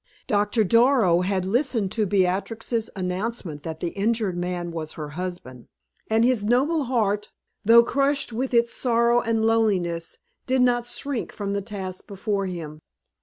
Doctor Darrow had listened to Beatrix's announcement that the injured man was her husband, and his noble heart, though crushed with its sorrow and loneliness, did not shrink from the task before him.